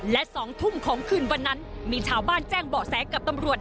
และ๒ทุ่มของคืนวันนั้นมีชาวบ้านแจ้งเบาะแสกับตำรวจ